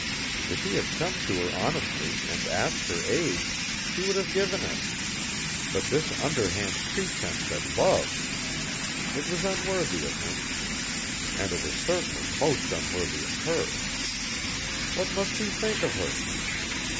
If he had come to her honestly and asked her aid, she would have given it; but this underhand pretence at love! It was unworthy of him; and it was certainly most unworthy of her. What must he think of her?